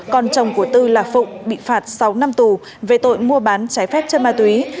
còn chồng của tư là phụng bị phạt sáu năm tù về tội mua bán trái phép chân ma túy